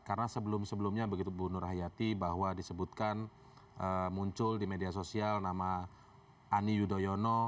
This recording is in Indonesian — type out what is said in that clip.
karena sebelum sebelumnya begitu bu nur hayati bahwa disebutkan muncul di media sosial nama ani yudhoyono